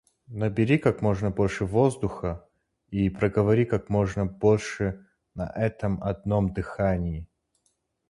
Набери как можно больше воздуха и проговори как можно больше на этом одном дыхании.